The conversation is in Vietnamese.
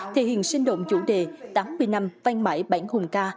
thể hiện sinh động chủ đề tám mươi năm văn mãi bản hùng ca